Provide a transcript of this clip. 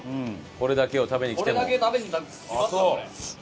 これだけ食べに来ますわ。